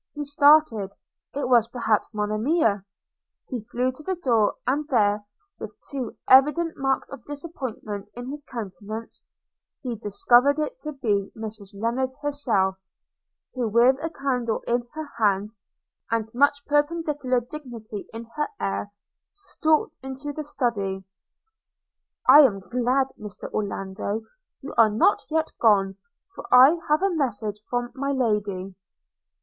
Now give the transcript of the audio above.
He started. It was perhaps Monimia! He flew to the door; and there, with too evident marks of disappointment in his countenance, he discovered it to be Mrs Lennard herself, who with a candle in her hand, and much perpendicular dignity in her air, stalked into the Study – 'I am glad, Mr. Orlando, you are not yet gone, for I have a message from my Lady.'